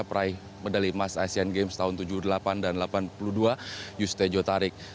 prai medali mas asian games tahun seribu sembilan ratus tujuh puluh delapan dan seribu sembilan ratus delapan puluh dua yusut tejo tarik